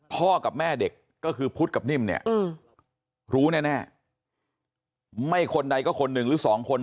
กับแม่เด็กก็คือพุทธกับนิ่มเนี่ยรู้แน่ไม่คนใดก็คนหนึ่งหรือสองคน